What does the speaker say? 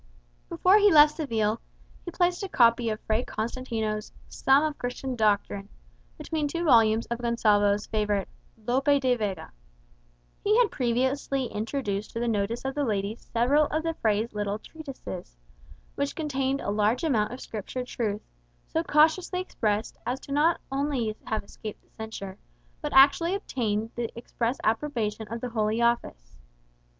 Before he left Seville, he placed a copy of Fray Constantino's "Sum of Christian Doctrine" between two volumes of Gonsalvo's favourite "Lope de Vega." He had previously introduced to the notice of the ladies several of the Fray's little treatises, which contained a large amount of Scripture truth, so cautiously expressed as to have not only escaped the censure, but actually obtained the express approbation of the Holy Office.